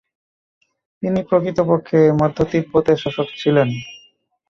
তিনি প্রকৃতপক্ষে মধ্য তিব্বতের শাসক ছিলেন।